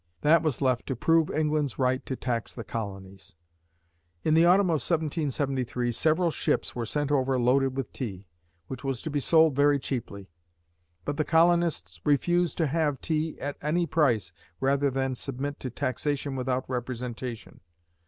That was left to prove England's right to tax the colonies. In the autumn of 1773, several ships were sent over loaded with tea, which was to be sold very cheaply. But the colonists refused to have tea at any price rather than submit to "taxation without representation."